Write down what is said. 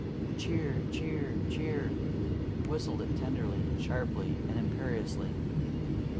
"Cheer! Cheer! Cheer!" He whistled it tenderly and sharply and imperiously.